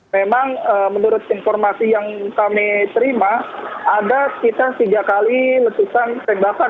memang menurut informasi yang kami terima ada sekitar tiga kali letusan tembakan